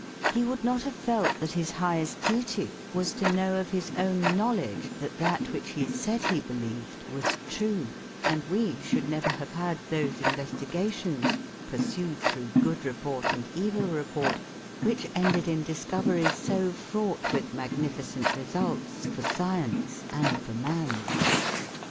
He would not have felt that his highest duty was to know of his own knowledge that that which he said he believed was true, and we should never have had those investigations, pursued through good report and evil report, which ended in discoveries so fraught with magnificent results for science and for man.